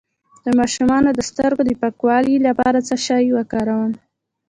د ماشوم د سترګو د پاکوالي لپاره څه شی وکاروم؟